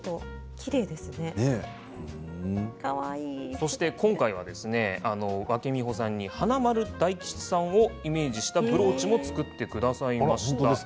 そして今回はわけみほさんに華丸・大吉さんをイメージしたブローチも作ってくださいました。